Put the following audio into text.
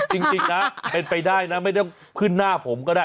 จริงนะเป็นไปได้นะไม่ต้องขึ้นหน้าผมก็ได้